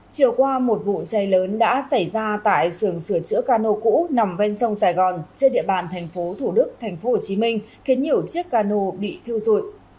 chiều qua một vụ cháy lớn đã xảy ra tại sườn sửa chữa cano cũ nằm bên sông sài gòn trên địa bàn thành phố thủ đức thành phố hồ chí minh khiến nhiều chiếc cano bị thiêu rụi